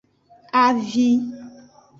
Avi.